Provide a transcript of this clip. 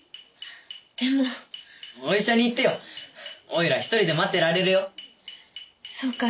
でもお医者に行ってよおいら１人で待ってられるよそうかい？